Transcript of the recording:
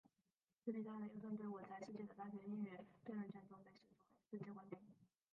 此比赛的优胜队伍在世界的大学英语辩论圈中被视作世界冠军。